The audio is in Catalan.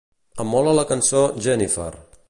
Em mola la cançó "Jenifer".